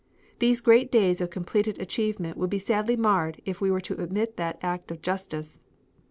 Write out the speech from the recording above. These great days of completed achievement would be sadly marred were we to omit that act of justice.